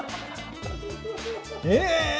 え！